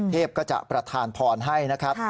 เทพก็จะประทานพรให้นะครับ